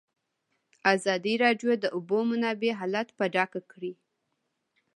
ازادي راډیو د د اوبو منابع حالت په ډاګه کړی.